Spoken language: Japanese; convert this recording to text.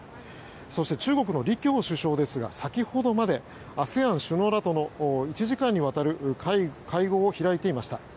そして中国の李強首相ですが先ほどまでＡＳＥＡＮ首脳らとの１時間にわたる会合を開いていました。